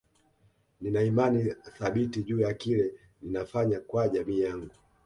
Nina imani thabiti juu ya kile ninafanya kwa jamii yangu